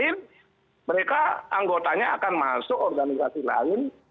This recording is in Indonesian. mereka akan masuk ke organisasi lain